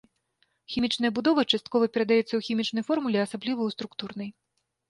Хімічная будова часткова перадаецца ў хімічнай формуле, асабліва ў структурнай.